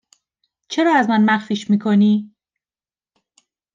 چرا از من مخفیش می کنی؟